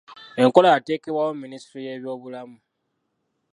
Enkola yateekebwawo minisitule y'ebyobulamu.